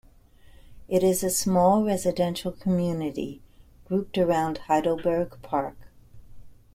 It is a small residential community, grouped around Heidelberg Park.